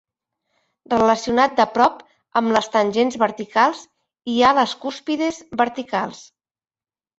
Relacionat de prop amb les tangents verticals hi ha les cúspides verticals.